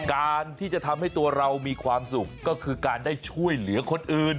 การที่จะทำให้ตัวเรามีความสุขก็คือการได้ช่วยเหลือคนอื่น